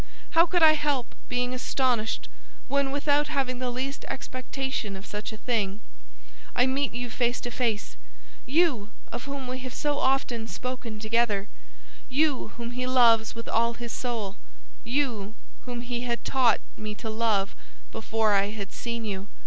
How could I help being astonished when, without having the least expectation of such a thing, I meet you face to face—you, of whom we have so often spoken together, you whom he loves with all his soul, you whom he had taught me to love before I had seen you!